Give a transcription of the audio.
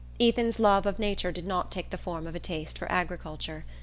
Ethan's love of nature did not take the form of a taste for agriculture.